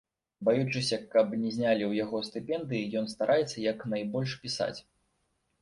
Баючыся, каб не знялі ў яго стыпендыі, ён стараецца як найбольш пісаць.